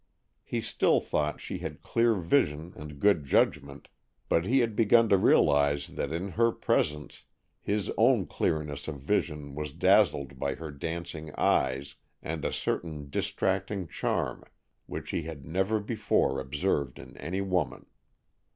He still thought she had clear vision and good judgment, but he had begun to realize that in her presence his own clearness of vision was dazzled by her dancing eyes and a certain distracting charm which he had never before observed in any woman.